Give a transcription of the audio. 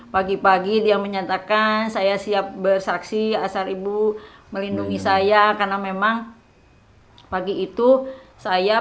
pagi pagi dia menyatakan saya siap bersaksi asal ibu melindungi saya karena memang pagi itu saya